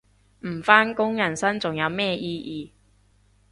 唔返工人生仲有咩意義